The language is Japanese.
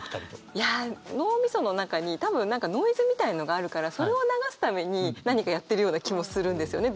いや脳みその中に多分ノイズみたいのがあるからそれを流すために何かやってるような気もするんですよね